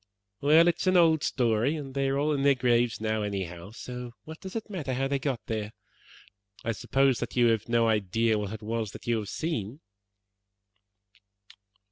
Well, it is an old story, and they are all in their graves now, anyhow, so what does it matter how they got there? I suppose that you have no idea what it was that you have seen?"